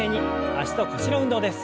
脚と腰の運動です。